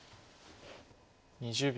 ２０秒。